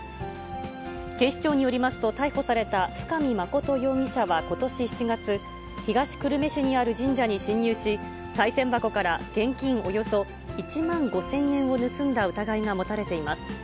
警視庁によりますと、逮捕された深見誠容疑者はことし７月、東久留米市にある神社に侵入し、さい銭箱から現金およそ１万５０００円を盗んだ疑いが持たれています。